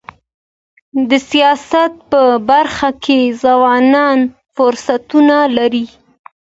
د سیاست په برخه کي ځوانان فرصتونه لري.